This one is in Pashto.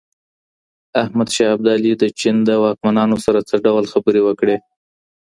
احمد شاه ابدالي د چین د واکمنانو سره څه ډول خبري وکړي؟